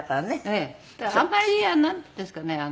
だからあんまりなんていうんですかね。